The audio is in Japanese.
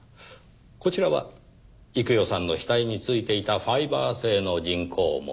こちらは幾代さんの死体に付いていたファイバー製の人工毛。